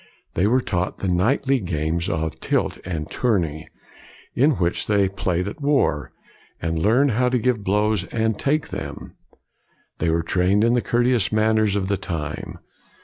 They were taught the knightly games of tilt and tourney, in which they played at war, and learned how to give blows and take them. They were trained in the courteous manners of the time.